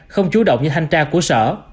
không chú động như thanh tra của sở